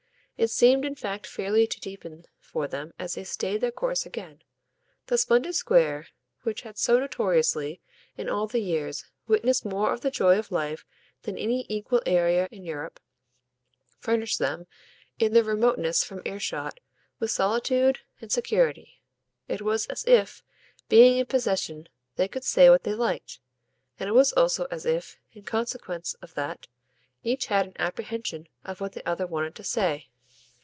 It seemed in fact fairly to deepen for them as they stayed their course again; the splendid Square, which had so notoriously, in all the years, witnessed more of the joy of life than any equal area in Europe, furnished them, in their remoteness from earshot, with solitude and security. It was as if, being in possession, they could say what they liked; and it was also as if, in consequence of that, each had an apprehension of what the other wanted to say.